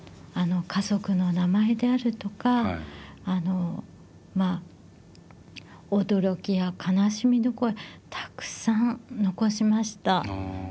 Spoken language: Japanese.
家族の名前であるとかあのまあ驚きや悲しみの声たくさん残しました。